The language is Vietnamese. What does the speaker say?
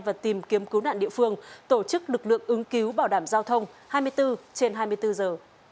và tìm kiếm cứu nạn địa phương tổ chức lực lượng ứng cứu bảo đảm giao thông hai mươi bốn trên hai mươi bốn giờ